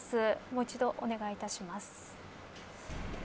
もう一度お願いいたします。